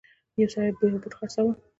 یو سړي یو بت خرڅاوه.